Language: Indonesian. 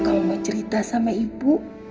kalau mau cerita sama ibu